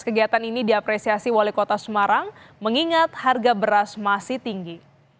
kegiatan ini diapresiasi wali kota semarang mengingat harga beras masih tinggi